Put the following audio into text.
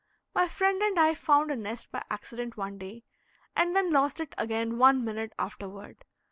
My friend and I found a nest by accident one day, and then lost it again one minute afterward.